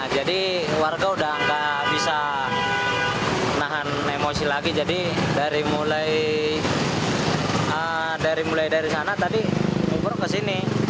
jadi warga udah bisa nahan emosi lagi jadi dari mulai dari mulai dari sana tadi ke sini